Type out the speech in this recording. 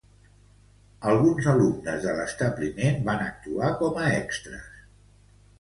Alguns alumnes de l'establiment van actuar com a extres.